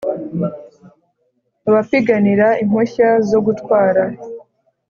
abapiganira impushya zo gutwara